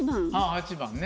８番ね。